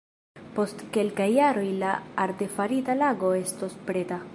Post kelkaj jaroj la artefarita lago estos preta.